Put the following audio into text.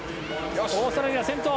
オーストラリア、先頭。